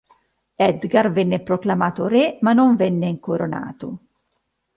Edgar venne proclamato Re ma non venne incoronato.